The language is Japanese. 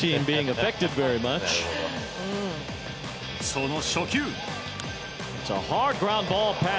その初球。